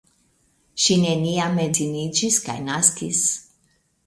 Ŝi neniam edziniĝis kaj naskis.